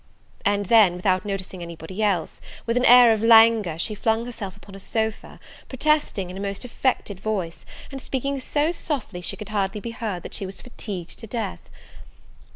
and then, without noticing any body else, with an air of languor she flung herself upon a sofa, protesting, in a most affected voice, and speaking so softly she could hardly be heard, that she was fatigued to death.